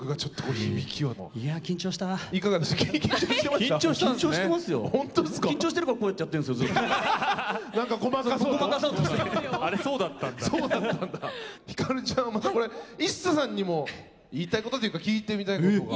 ひかるちゃんはまたこれＩＳＳＡさんにも言いたいことというか聞いてみたいことが？